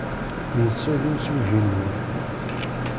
Netta d imsuji n wul.